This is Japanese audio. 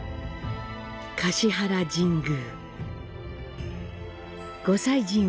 橿原神宮。